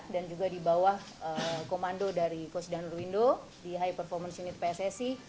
dan juga di bawah komando dari coach daniel rwindo di high performance unit pssi